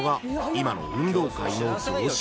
今の運動会の常識］